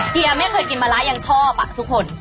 เฮียไม่เคยกินมะระยังชอบทุกคน